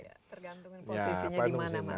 tergantung posisinya di mana mana